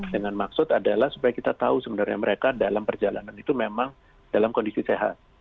dengan maksud adalah supaya kita tahu sebenarnya mereka dalam perjalanan itu memang dalam kondisi sehat